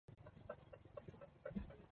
ya utegemeaji wa opioidi kwa miaka mingi